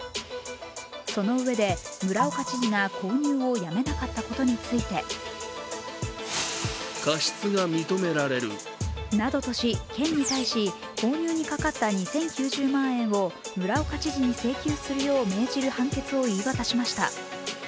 そのうえで、村岡知事が購入をやめなかったことについてなどとし、県に対し、購入にかかった２０９０万円を村岡知事に請求するよう命じる判決を言い渡しました。